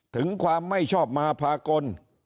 ถึงความไม่ชอบมาพากล